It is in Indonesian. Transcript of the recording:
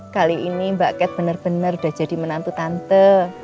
kali ini mbak kat bener bener udah jadi menantu tante